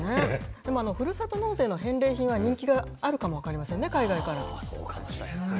でも、ふるさと納税の返礼品は人気があるかもわかりませんね、海外から。